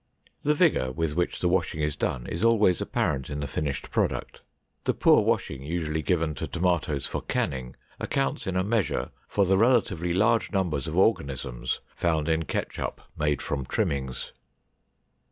The vigor with which the washing is done is always apparent in the finished product. The poor washing usually given to tomatoes for canning, accounts in a measure for the relatively large numbers of organisms found in ketchup made from trimmings.